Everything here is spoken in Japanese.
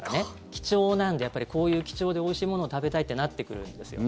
貴重なんでこういう貴重でおいしいものを食べたいってなってくるんですよ。